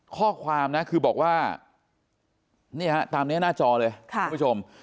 ข้อความนะคือบอกว่านี่ฮะตามนี้หน้าจอเลยคุณผู้ชม